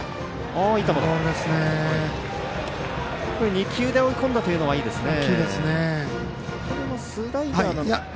２球で追い込んだというのはいいですね。